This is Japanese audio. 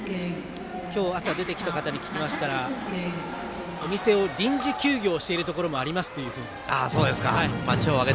今日、朝、出てきた方に聞きましたらお店を臨時休業しているところもありますというふうに。